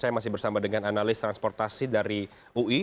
saya masih bersama dengan analis transportasi dari ui